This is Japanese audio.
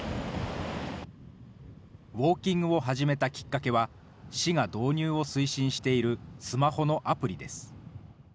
ウォーキングを始めたきっかけは、市が導入を推進しているスマホのアプリです。